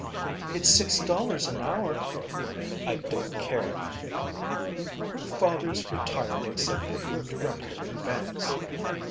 "It's six dollars an hour." "I don't care." "Her father's retired except for being director in banks.